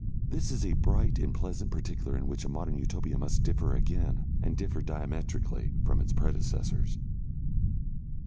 This is a bright and pleasant particular in which a modern Utopia must differ again, and differ diametrically, from its predecessors.